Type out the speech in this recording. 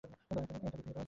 দয়া করে তাদের দাও!